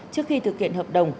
trước khi thực hiện hợp đồng